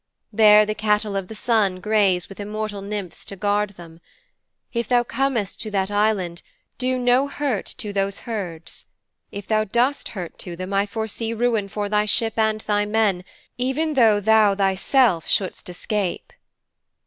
There the Cattle of the Sun graze with immortal nymphs to guard them. If them comest to that Island, do no hurt to those herds. If thou doest hurt to them I foresee ruin for thy ship and thy men, even though thou thyself shouldst escape."'